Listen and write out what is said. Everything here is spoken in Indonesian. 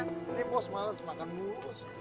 nih bos males makan dulu bos